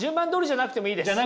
じゃなくてもいい？